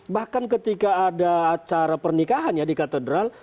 bahkan ketika ada acara pernikahan ya di katedral